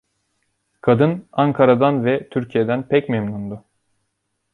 Kadın, Ankara'dan ve Türkiye'den pek memnundu.